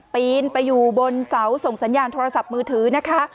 ปีนไปอยู่บนเสาส่งสัญญาณโทรศัพท์มือถือนะคะ